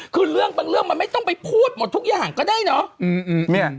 คือเรื่องบางเรื่องมันไม่ต้องไปพูดหมดทุกอย่างก็ได้เนาะ